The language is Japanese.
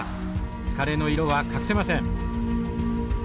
疲れの色は隠せません。